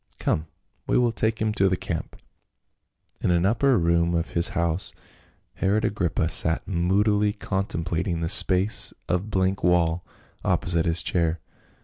Come, we will take him to the camp." In an upper room of his house Herod Agrippa sat moodily contemplating the space of blank wall oppo site his chair.